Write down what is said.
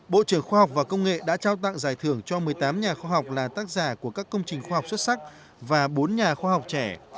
bộ trưởng khoa học và công nghệ đã trao tặng giải thưởng cho một mươi tám nhà khoa học là tác giả của các công trình khoa học xuất sắc và bốn nhà khoa học trẻ